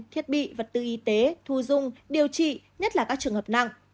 thiết bị vật tư y tế thu dung điều trị nhất là các trường hợp nặng